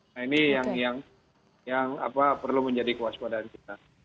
nah ini yang perlu menjadi kewaspadaan kita